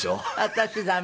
私駄目。